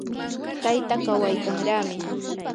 tayta kawaykanraami.